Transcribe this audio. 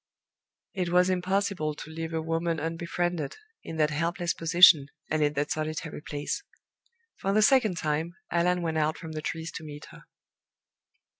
It was impossible to leave a woman unbefriended, in that helpless position and in that solitary place. For the second time Allan went out from the trees to meet her.